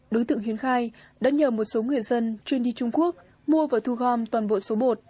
đối tượng hiến khai đã nhờ một số người dân chuyên đi trung quốc mua và thu gom toàn bộ số bột